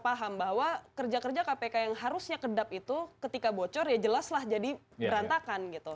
paham bahwa kerja kerja kpk yang harusnya kedap itu ketika bocor ya jelaslah jadi berantakan gitu